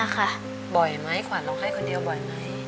บ่อยไม๊ขวันรอไห้คนเดี๋ยวบ่อยไหม